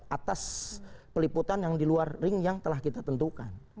atas peliputan yang di luar ring yang telah kita tentukan